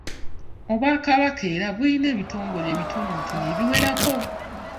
Obwakabaka era bulina ebitongole ebitonotono ebiwerako.